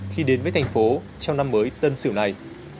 khi đến với thành phố trong năm mới tân sửu này